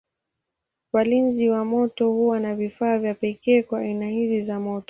Walinzi wa moto huwa na vifaa vya pekee kwa aina hizi za moto.